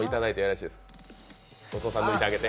後藤さん抜いてあげて。